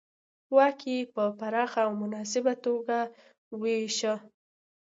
واک یې په پراخه او مناسبه توګه وېشه